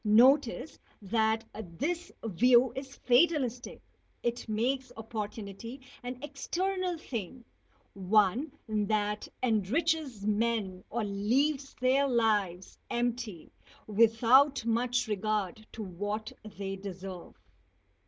Notice that this view is fatalistic; it makes opportunity an external thing one that enriches men or leaves their lives empty without much regard to what they deserve.